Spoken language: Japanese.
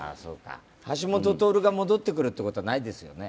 橋下徹が戻ってくることはないですよね？